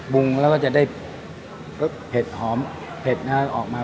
บุงแล้วก็จะได้เพ็ดหนาเพ็ดหน้าออกมา